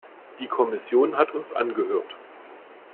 Die Kommission hat uns angehört.